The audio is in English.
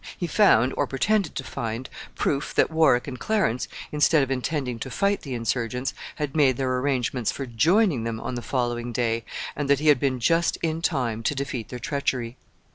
He found, or pretended to find, proof that Warwick and Clarence, instead of intending to fight the insurgents, had made their arrangements for joining them on the following day, and that he had been just in time to defeat their treachery.